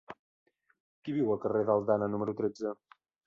Qui viu al carrer d'Aldana número tretze?